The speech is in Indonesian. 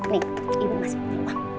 nih ibu masih mending